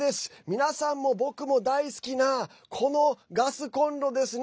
皆さんも僕も大好きなこのガスコンロですね。